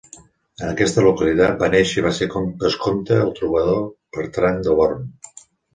En aquesta localitat va néixer i va ser vescomte el trobador Bertran de Born.